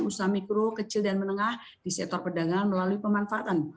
usaha mikro kecil dan menengah di sektor perdagangan melalui pemanfaatan